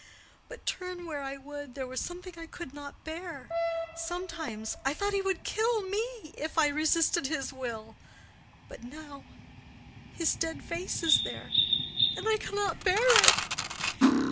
But turn where I would there was something I could not bear. Sometimes I thought he would kill me if I resisted his will. But now—his dead face is there, and I cannot bear it."